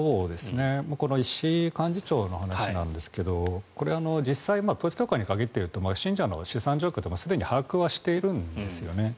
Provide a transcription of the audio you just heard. この石井幹事長の話なんですがこれ、実際統一教会に限っていうと信者の資産状況ってすでに把握はしているんですよね。